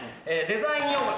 「デザイン用語」。